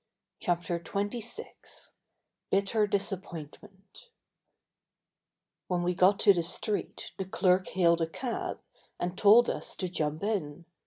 CHAPTER XXVI BITTER DISAPPOINTMENT When we got to the street the clerk hailed a cab and told us to jump in.